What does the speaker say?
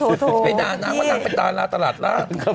ไปดาราตลาดร่างว่านางเป็นดาราตลาดร่าง